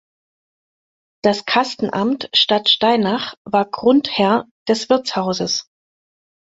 Das Kastenamt Stadtsteinach war Grundherr des Wirtshauses.